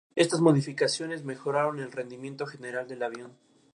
Estas modificaciones mejoraron el rendimiento general del avión.